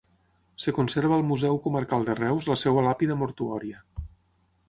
Es conserva al Museu Comarcal de Reus la seva làpida mortuòria.